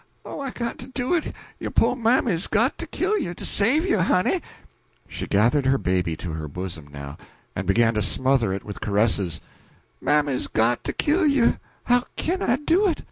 Oh, I got to do it, yo' po' mammy's got to kill you to save you, honey" she gathered her baby to her bosom, now, and began to smother it with caresses "Mammy's got to kill you how kin I do it!